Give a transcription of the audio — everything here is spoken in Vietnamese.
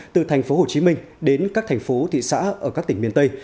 từ thành phố hồ chí minh đến các thành phố thị xã ở các tỉnh miền tây